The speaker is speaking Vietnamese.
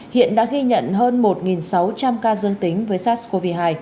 hiện đã ghi nhận hơn một sáu trăm linh ca dương tính với sars cov hai